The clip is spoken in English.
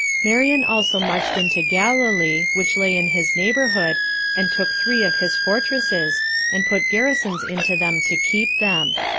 Marion also marched into Galilee, which lay in his neighborhood, and took three of his fortresses, and put garrisons into them to keep them.